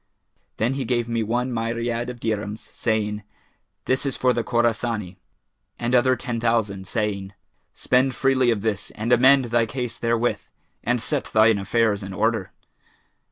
Then he gave me one myriad of dirhams, saying, 'This is for the Khorasani,' and other ten thousand, saying, 'Spend freely of this and amend thy case therewith, and set thine affairs in order.'